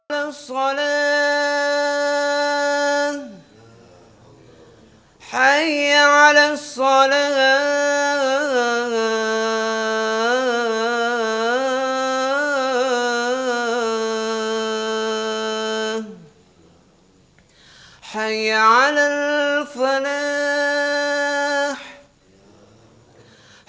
ya sudah pak kita nunggu disini aja pak